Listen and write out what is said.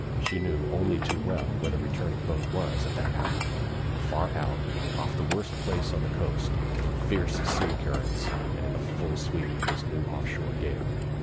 She knew only too well where the returning boat was at that hour: far out, off the worst place on the coast, in fierce sea currents, and in the full sweep of this new off shore gale.